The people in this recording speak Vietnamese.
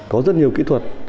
có rất nhiều kỹ thuật